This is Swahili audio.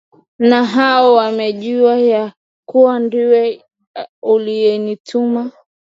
na hao wamejua ya kuwa ndiwe uliyenituma